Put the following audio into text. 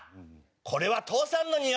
これは父さんのにおいか！